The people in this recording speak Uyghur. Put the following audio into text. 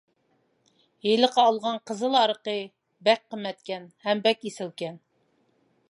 ھېلىقى ئالغان قىزىل ھارىقى بەك قىممەتكەن، ھەم بەك ئېسىلكەن.